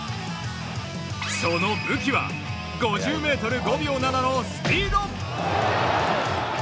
その武器は５０ｍ、５秒７のスピード。